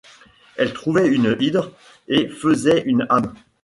Elle trouvait une hydre et faisait une âme.